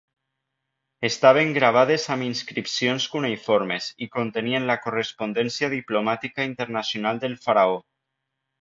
Estaven gravades amb inscripcions cuneïformes i contenien la correspondència diplomàtica internacional del faraó.